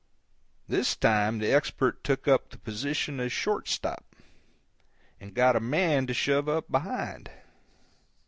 This time the Expert took up the position of short stop, and got a man to shove up behind.